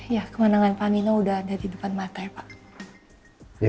ya kemenangan pak nino udah ada di depan mata ya pak